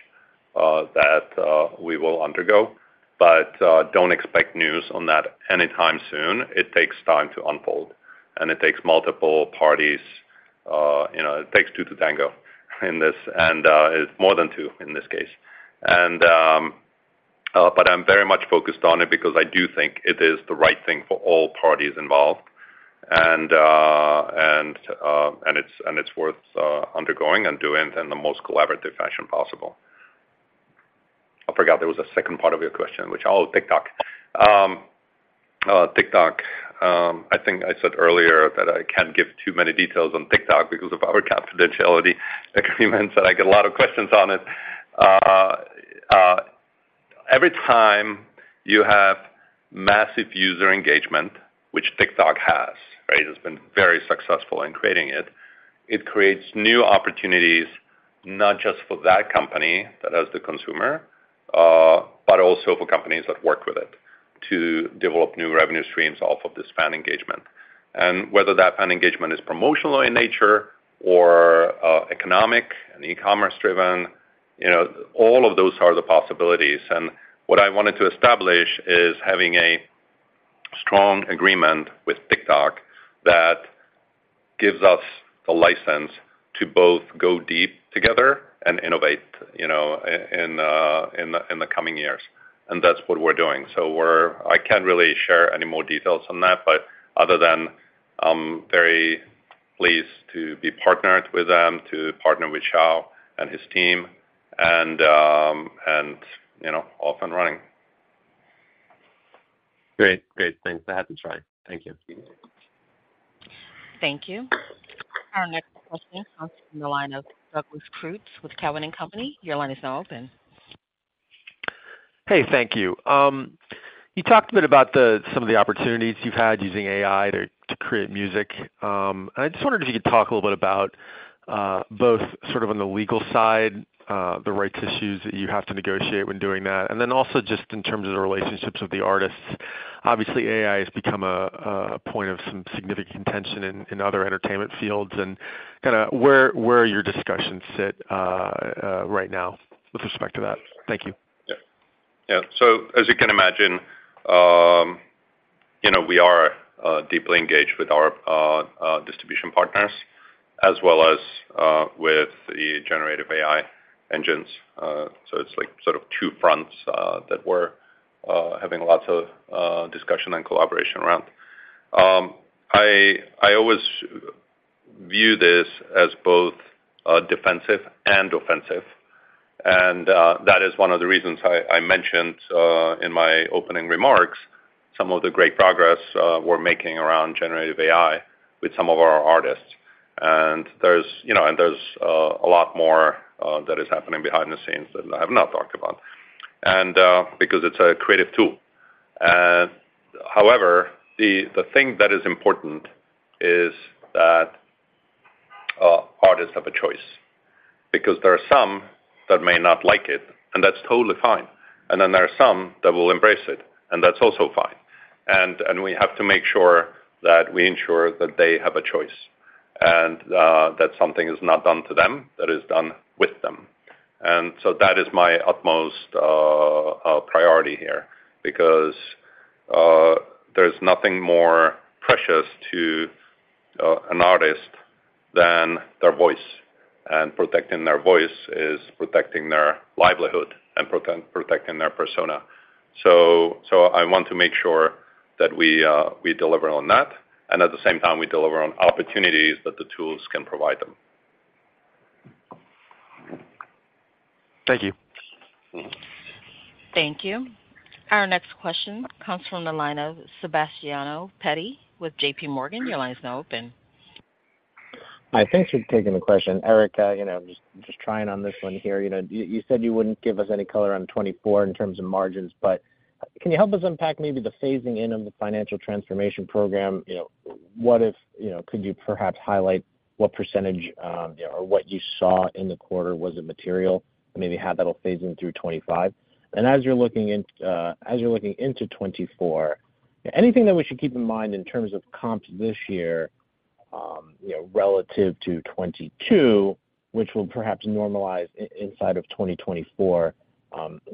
that we will undergo, but don't expect news on that anytime soon. It takes time to unfold, and it takes multiple parties, you know, it takes two to tango in this, and it's more than two in this case. But I'm very much focused on it because I do think it is the right thing for all parties involved. And it's, and it's worth undergoing and doing it in the most collaborative fashion possible. I forgot there was a second part of your question, which... Oh, TikTok. TikTok. I think I said earlier that I can't give too many details on TikTok because of our confidentiality agreements, and I get a lot of questions on it. Every time you have massive user engagement, which TikTok has, right? It's been very successful in creating it. It creates new opportunities, not just for that company that has the consumer, but also for companies that work with it to develop new revenue streams off of this fan engagement. Whether that fan engagement is promotional in nature or economic and e-commerce driven, you know, all of those are the possibilities. What I wanted to establish is having a strong agreement with TikTok that gives us the license to both go deep together and innovate, you know, in, in the coming years, and that's what we're doing. We're-- I can't really share any more details on that, but other than I'm very pleased to be partnered with them, to partner with Xiao and his team, and, you know, off and running. Great. Great. Thanks. I have to try. Thank you. Thank you. Our next question comes from the line of Douglas Creutz with Cowen and Company. Your line is now open. Hey, thank you. You talked a bit about the, some of the opportunities you've had using AI to, to create music. I just wondered if you could talk a little bit about both sort of on the legal side, the rights issues that you have to negotiate when doing that, and then also just in terms of the relationships with the artists. Obviously, AI has become a, a point of some significant tension in other entertainment fields, and where your discussions sit right now with respect to that? Thank you. Yeah. As you can imagine, you know, we are deeply engaged with our distribution partners as well as with the generative AI engines. It's like sort of two fronts that we're having lots of discussion and collaboration around. I always view this as both defensive and offensive, and that is one of the reasons I mentioned in my opening remarks, some of the great progress we're making around generative AI with some of our artists. There's, you know, and there's a lot more that is happening behind the scenes that I have not talked about, and because it's a creative tool. However, the thing that is important is that artists have a choice, because there are some that may not like it, and that's totally fine. Then there are some that will embrace it, and that's also fine. We have to make sure that we ensure that they have a choice, and that something is not done to them, that is done with them. That is my utmost priority here, because there's nothing more precious to an artist than their voice, and protecting their voice is protecting their livelihood and protecting their persona. I want to make sure that we deliver on that, and at the same time, we deliver on opportunities that the tools can provide them. Thank you. Thank you. Our next question comes from the line of Sebastiano Petti with J.P. Morgan. Your line is now open. Hi, thanks for taking the question, Eric. You know, just, just trying on this one here. You know, you said you wouldn't give us any color on 2024 in terms of margins, but can you help us unpack maybe the phasing in of the financial transformation program? You know, what if-- You know, could you perhaps highlight what %, or what you saw in the quarter? Was it material? Maybe how that'll phase in through 2025. As you're looking in, as you're looking into 2024, anything that we should keep in mind in terms of comps this year, you know, relative to 2022, which will perhaps normalize i- inside of 2024,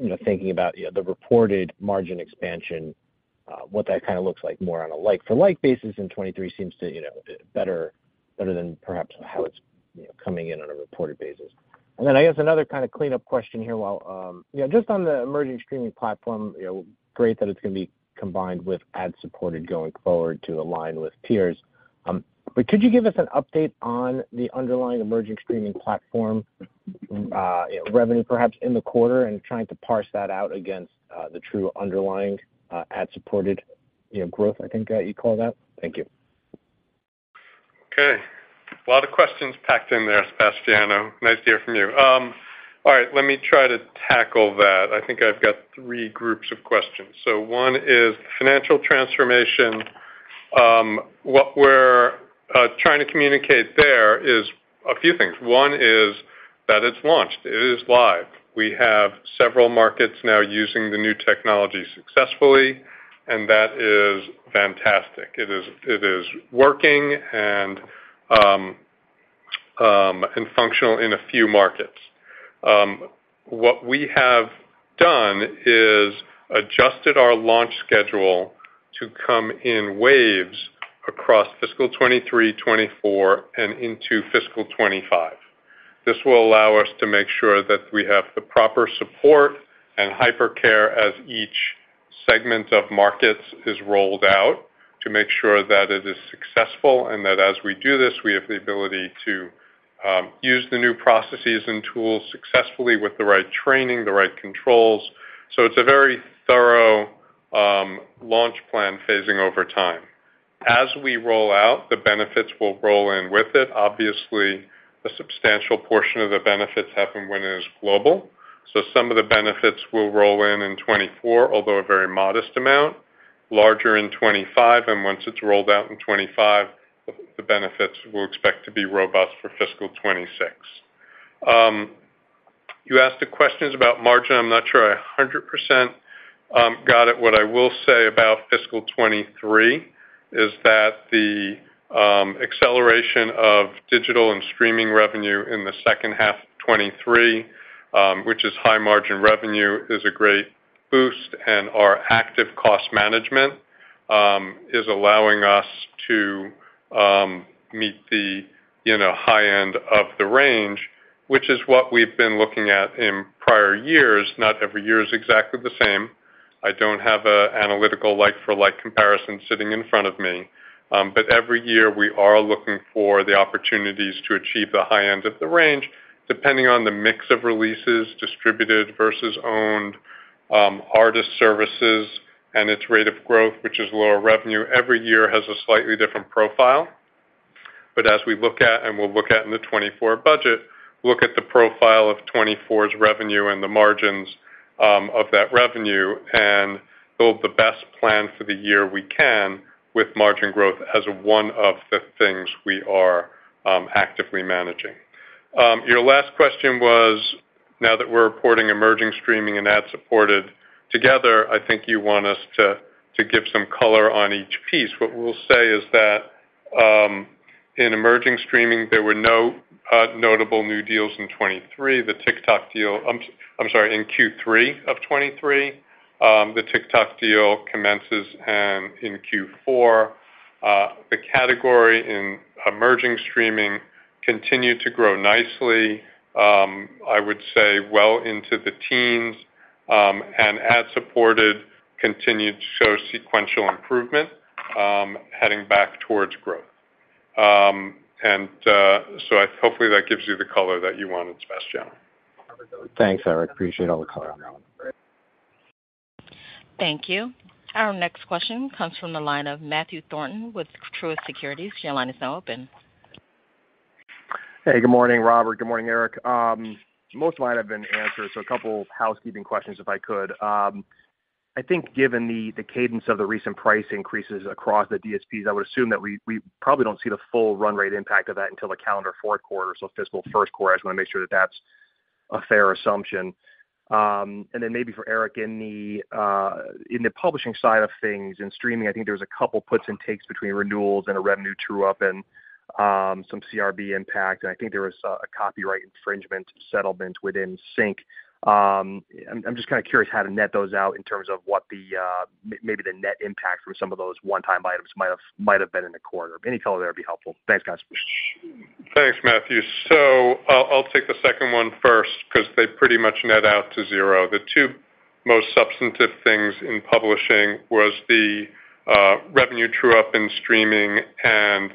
you know, thinking about, you know, the reported margin expansion, what that kinda looks like more on a like for like basis, and 2023 seems to, you know, better, better than perhaps how it's, you know, coming in on a reported basis? Then I guess another kind of cleanup question here, while, you know, just on the emerging streaming platform, you know, great that it's gonna be combined with ad-supported going forward to align with peers. Could you give us an update on the underlying emerging streaming platform revenue, perhaps in the quarter, and trying to parse that out against the true underlying ad-supported, you know, growth, I think, you call that? Thank you. Okay. A lot of questions packed in there, Sebastiano. Nice to hear from you. All right, let me try to tackle that. I think I've got three groups of questions. One is financial transformation. What we're trying to communicate there is a few things. One is that it's launched, it is live. We have several markets now using the new technology successfully, and that is fantastic. It is, it is working and functional in a few markets. What we have done is adjusted our launch schedule to come in waves across fiscal 23, 24 and into fiscal 25. This will allow us to make sure that we have the proper support and hypercare as each segment of markets is rolled out, to make sure that it is successful, and that as we do this, we have the ability to use the new processes and tools successfully with the right training, the right controls. So it's a very thorough launch plan phasing over time. As we roll out, the benefits will roll in with it. Obviously, a substantial portion of the benefits happen when it is global. So some of the benefits will roll in in 2024, although a very modest amount, larger in 2025, and once it's rolled out in 2025, the benefits will expect to be robust for fiscal 2026.... You asked the questions about margin. I'm not sure I 100% got it. What I will say about fiscal 2023, is that the acceleration of digital and streaming revenue in the second half of 2023, which is high margin revenue, is a great boost, and our active cost management is allowing us to meet the, you know, high end of the range, which is what we've been looking at in prior years. Not every year is exactly the same. I don't have an analytical like-for-like comparison sitting in front of me, but every year we are looking for the opportunities to achieve the high end of the range, depending on the mix of releases, distributed versus owned, artist services, and its rate of growth, which is lower revenue. Every year has a slightly different profile. As we look at, and we'll look at in the 2024 budget, look at the profile of 2024's revenue and the margins of that revenue and build the best plan for the year we can, with margin growth as one of the things we are actively managing. Your last question was, now that we're reporting emerging streaming and ad-supported together, I think you want us to, to give some color on each piece. What we'll say is that, in emerging streaming, there were no notable new deals in 2023. The TikTok deal... I'm, I'm sorry, in Q3 of 2023, the TikTok deal commences in Q4. The category in emerging streaming continued to grow nicely, I would say well into the teens, and ad-supported continued to show sequential improvement, heading back towards growth. Hopefully, that gives you the color that you wanted, Sebastian. Thanks, Eric. Appreciate all the color. Thank you. Our next question comes from the line of Matthew Thornton, with Truist Securities. Your line is now open. Hey, good morning, Robert. Good morning, Eric. Most of mine have been answered, so a couple of housekeeping questions, if I could. I think given the cadence of the recent price increases across the DSPs, I would assume that we probably don't see the full run rate impact of that until the calendar fourth quarter, so fiscal first quarter. I just wanna make sure that that's a fair assumption. Then maybe for Eric, in the publishing side of things, in streaming, I think there was a couple puts and takes between renewals and a revenue true-up and some CRB impact, and I think there was a copyright infringement settlement within Sync. I'm, I'm just kind of curious how to net those out in terms of what the maybe the net impact from some of those one-time items might have, might have been in the quarter. Any color there would be helpful. Thanks, guys. Thanks, Matthew. I'll, I'll take the second one first, because they pretty much net out to zero. The two most substantive things in publishing was the revenue true-up in streaming and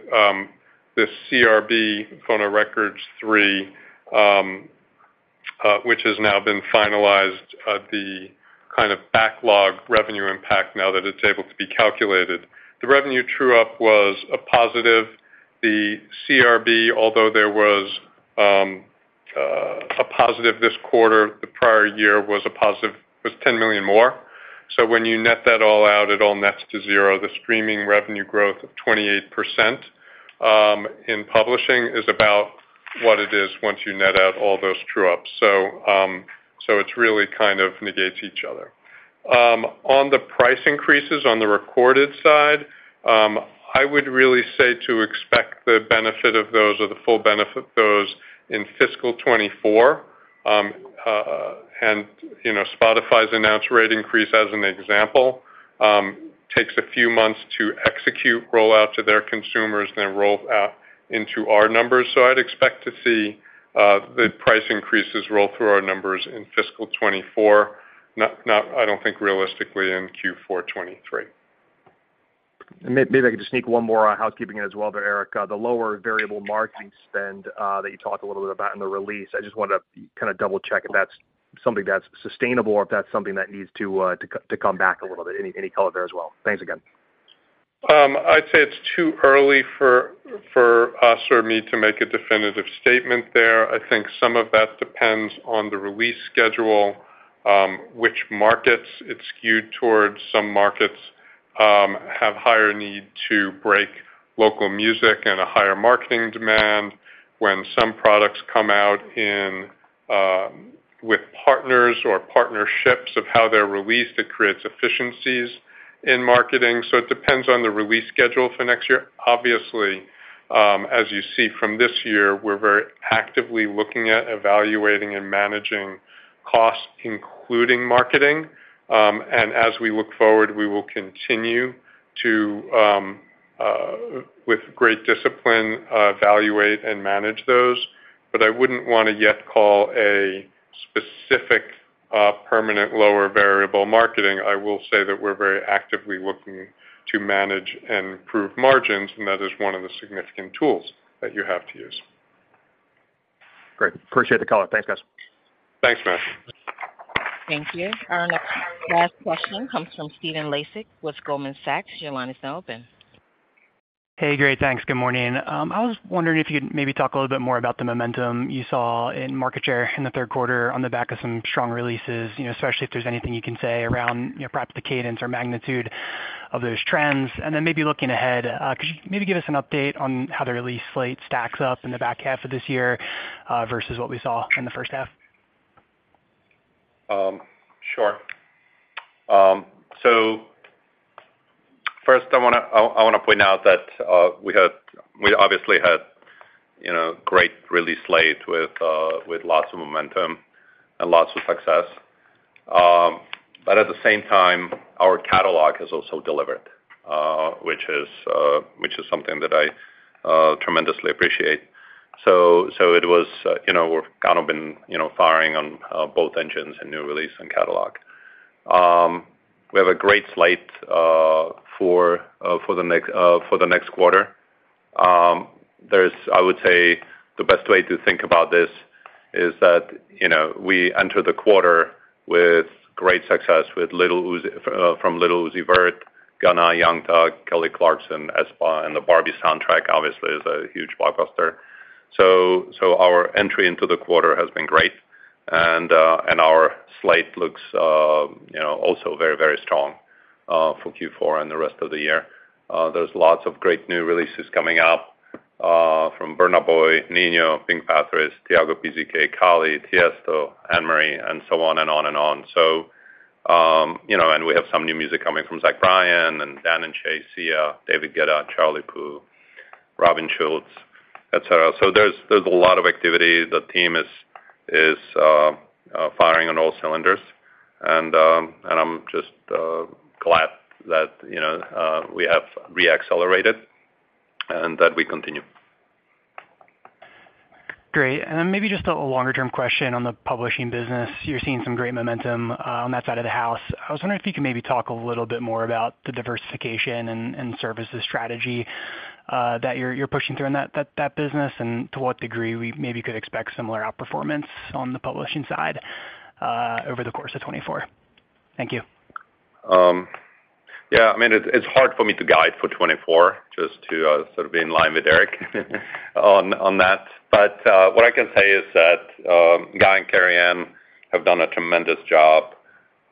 the CRB Phonorecords III, which has now been finalized, the kind of backlog revenue impact now that it's able to be calculated. The revenue true-up was a positive. The CRB, although there was a positive this quarter, the prior year was a positive, was $10 million more. When you net that all out, it all nets to zero. The streaming revenue growth of 28% in publishing is about what it is once you net out all those true-ups. It's really kind of negates each other. On the price increases on the recorded side, I would really say to expect the benefit of those, or the full benefit of those, in fiscal 2024. You know, Spotify's announced rate increase, as an example, takes a few months to execute, roll out to their consumers, then roll out into our numbers. I'd expect to see, the price increases roll through our numbers in fiscal 2024. Not, not, I don't think, realistically, in Q4 2023. Maybe I could just sneak one more on housekeeping as well, there, Eric. The lower variable marketing spend that you talked a little bit about in the release, I just wanted to kinda double-check if that's something that's sustainable or if that's something that needs to come back a little bit. Any, any color there as well? Thanks again. I'd say it's too early for, for us or me to make a definitive statement there. I think some of that depends on the release schedule, which markets it's skewed towards. Some markets have higher need to break local music and a higher marketing demand. When some products come out in with partners or partnerships of how they're released, it creates efficiencies in marketing. It depends on the release schedule for next year. Obviously, as you see from this year, we're very actively looking at evaluating and managing costs, including marketing. As we look forward, we will continue to with great discipline evaluate and manage those. I wouldn't want to yet call a specific permanent lower variable marketing. I will say that we're very actively looking to manage and improve margins, and that is one of the significant tools that you have to use. Great. Appreciate the color. Thanks, guys. Thanks, Matt. Thank you. Our next-- last question comes from Stephen Laszczyk with Goldman Sachs. Your line is now open. Hey, great. Thanks. Good morning. I was wondering if you could maybe talk a little bit more about the momentum you saw in market share in the third quarter on the back of some strong releases, you know, especially if there's anything you can say around, you know, perhaps the cadence or magnitude... of those trends, and then maybe looking ahead, could you maybe give us an update on how the release slate stacks up in the back half of this year, versus what we saw in the first half? Sure. First, I wanna point out that we had-- we obviously had, you know, great release slate with lots of momentum and lots of success. At the same time, our catalog has also delivered, which is, which is something that I tremendously appreciate. It was, you know, we've kind of been, you know, firing on both engines in new release and catalog. We have a great slate for the next for the next quarter. There's I would say the best way to think about this is that, you know, we enter the quarter with great success, with Lil Uzi from Lil Uzi Vert, Gunna, Young Thug, Kelly Clarkson, aespa, and the Barbie soundtrack, obviously, is a huge blockbuster. Our entry into the quarter has been great, and our slate looks, you know, also very, very strong, for Q4 and the rest of the year. There's lots of great new releases coming out, from Burna Boy, Ninho, PinkPantheress, Tiago PZK, Kali, Tiesto, Anne-Marie, and so on and on and on. You know, and we have some new music coming from Zach Bryan and Dan + Shay, Sia, David Guetta, Charlie Puth, Robin Schulz, et cetera. There's a lot of activity. The team is firing on all cylinders, and I'm just glad that, you know, we have re-accelerated and that we continue. Great. Then maybe just a longer-term question on the publishing business. You're seeing some great momentum on that side of the house. I was wondering if you could maybe talk a little bit more about the diversification and services strategy that you're, you're pushing through in that business, and to what degree we maybe could expect similar outperformance on the publishing side over the course of 2024. Thank you. Yeah, I mean, it's, it's hard for me to guide for 2024, just to sort of be in line with Eric, on, on that. What I can say is that, Guy and Carianne have done a tremendous job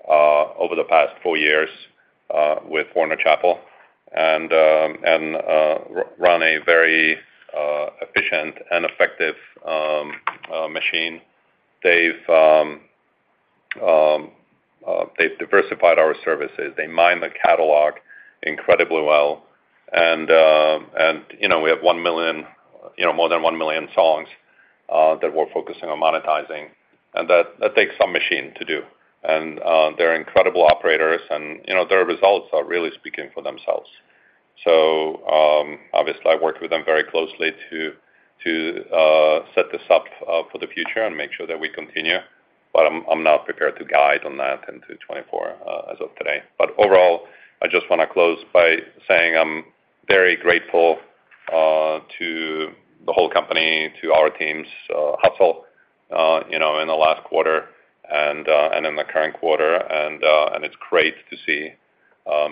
over the past four years with Warner Chappell and, and run a very efficient and effective machine. They've, they've diversified our services. They mine the catalog incredibly well. You know, we have 1 million... You know, more than 1 million songs that we're focusing on monetizing, and that, that takes some machine to do. They're incredible operators, and, you know, their results are really speaking for themselves. Obviously, I worked with them very closely to, to set this up for the future and make sure that we continue, but I'm, I'm not prepared to guide on that into 2024 as of today. Overall, I just wanna close by saying I'm very grateful to the whole company, to our team's hustle, you know, in the last quarter and in the current quarter. And it's great to see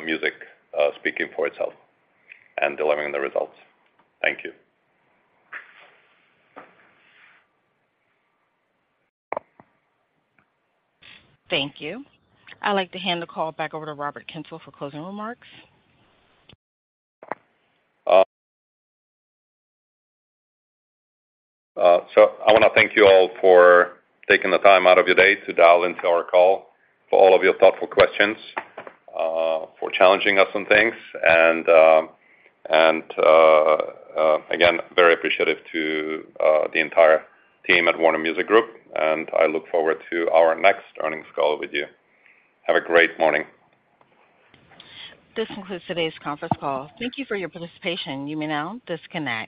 music speaking for itself and delivering the results. Thank you. Thank you. I'd like to hand the call back over to Robert Kyncl for closing remarks. I wanna thank you all for taking the time out of your day to dial into our call, for all of your thoughtful questions, for challenging us on things, and again, very appreciative to the entire team at Warner Music Group, and I look forward to our next earnings call with you. Have a great morning. This concludes today's conference call. Thank you for your participation. You may now disconnect.